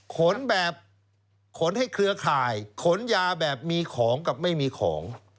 ขนแบบขนให้เครือข่ายขนยาแบบมีของกับไม่มีของ